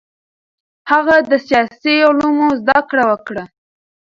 هغه د سیاسي علومو زده کړه وکړه.